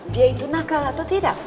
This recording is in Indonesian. dia itu nakal atau tidak